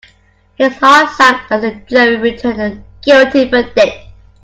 His heart sank as the jury returned a guilty verdict.